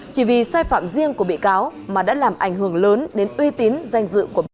chỉ vì sai phạm riêng của bị cáo mà đã làm ảnh hưởng lớn đến uy tín danh dự của bà